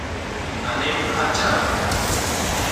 Anem a Jafre.